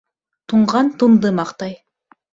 Туңған тунды маҡтай.